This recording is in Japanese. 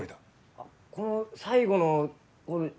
あっこの最後のこれ。